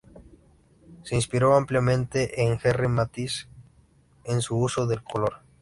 Se inspiró ampliamente en Henri Matisse en su uso del color.